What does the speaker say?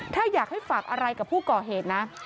ถ้าอยากให้ฝากอะไรกับผู้ก่อเหตุนะ